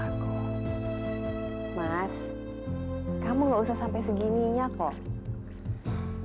mas kamu gak usah sampai segininya kok